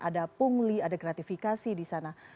ada pungli ada gratifikasi di sana